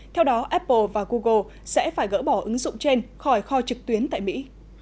theo đó apple và google sẽ phải gỡ bỏ ứng dụng trên khỏi kho trực tuyến tại mỹ